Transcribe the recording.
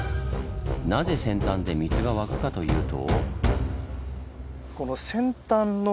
なぜ扇端で水が湧くかというと？